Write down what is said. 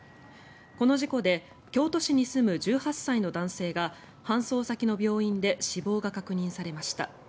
この事故で京都市に住む１８歳の男性が搬送先の病院で死亡が確認されました。